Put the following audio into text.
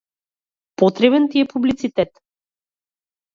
Потребен ти е публицитет.